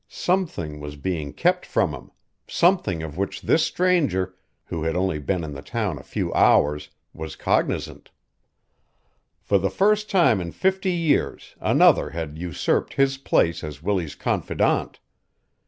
Something was being kept from him, something of which this stranger, who had only been in the town a few hours, was cognizant. For the first time in fifty years another had usurped his place as Willie's confidant.